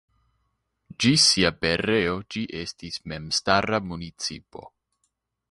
Ĝis sia pereo ĝi estis memstara municipo.